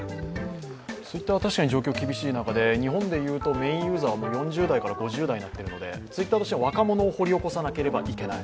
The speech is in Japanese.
Ｔｗｉｔｔｅｒは確かに状況が厳しい中で、日本でいうとメインユーザーは４０代から５０代になっているのでＴｗｉｔｔｅｒとしては若者を掘り起こさないといけない